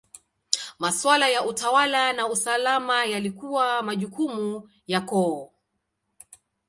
Maswala ya utawala na usalama yalikuwa majukumu ya koo.